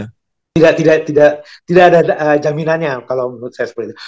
tidak ada jaminannya kalau menurut saya seperti itu